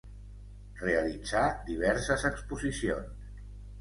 Realitzà diverses exposicions.